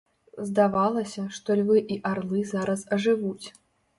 Здавалася, што львы і арлы зараз ажывуць.